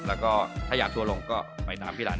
แล้วก็ถ้าอยากทัวร์ลงก็ไปตามพี่รัน